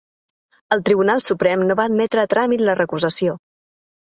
El Tribunal Suprem no va admetre a tràmit la recusació.